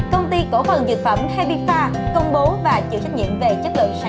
công ty cổ phần dược phẩm habifa công bố và chịu trách nhiệm về chất lượng sản phẩm